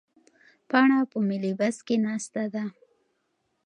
پاڼه په ملي بس کې ناسته ده.